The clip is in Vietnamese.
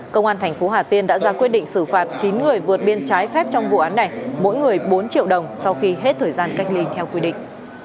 công an thành phố hà tiên đã ra quyết định xử phạt chín người vượt biên trái phép trong vụ án này mỗi người bốn triệu đồng sau khi hết thời gian cách ly theo quy định